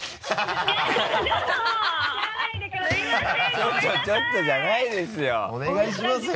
ちょっとちょっとじゃないですよお願いしますよ